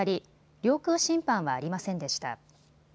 領空侵犯はありませんでした。